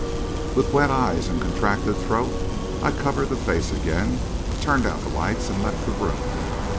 With wet eyes and contracted throat, I covered the face again, turned out the lights, and left the room.